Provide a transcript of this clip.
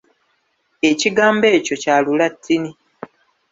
Ekigambo ekyo kya Lulatini.